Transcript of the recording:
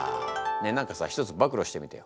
ねえ何かさ一つ暴露してみてよ。